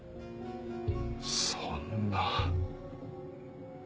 そんな。